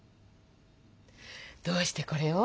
どうしてこれを？